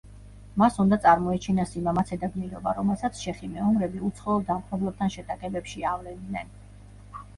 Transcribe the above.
მას უნდა წარმოეჩინა სიმამაცე და გმირობა, რომელსაც ჩეხი მეომრები უცხოელ დამპყრობლებთან შეტაკებებში ავლენდნენ.